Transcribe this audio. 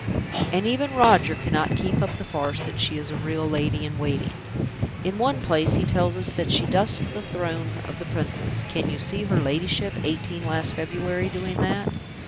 And even Roger cannot keep up the farce that she is a real lady in waiting. In one place he tells us that she dusts the throne of the Princess; can you see her ladyship, eighteen last February, doing that?